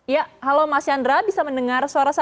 ya halo mas chandra bisa mendengar suara saya